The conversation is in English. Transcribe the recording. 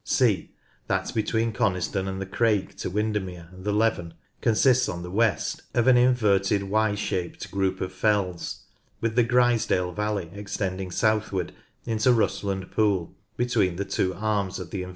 (c) That between Coniston and the Crake to Windermere and the Leven consists on the west of a i shaped group of fells, with the Grizedale valley extending southward into Rusland Pool between the two arms of the j^.